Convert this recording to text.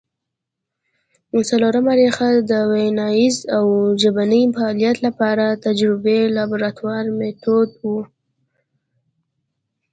څلورمه ریښه د ویناييز او ژبني فعالیت له پاره تجربوي لابراتواري مېتود وو